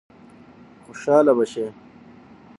خوشاله به شي.